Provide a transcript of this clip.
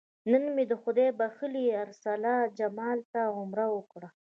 نن مې خدای بښلي ارسلا جمال ته عمره وکړه.